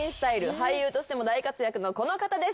俳優としても大活躍のこの方です